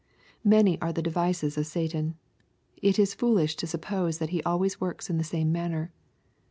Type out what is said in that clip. Many are the devices of Satan. It is foolish to suppose that he always works in the same manner.